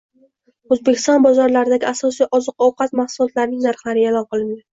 O‘zbekiston bozorlaridagi asosiy oziq-ovqat mahsulotlarining narxlari e’lon qilindi